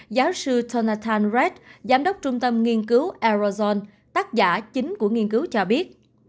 giáo sư jonathan redd giám đốc trung tâm nghiên cứu arizona tác giả chính của nghiên cứu cho biết